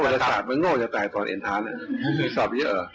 วันสับไม่ง่อจะตายตอนเอ็นท้านะวันสับเยอะ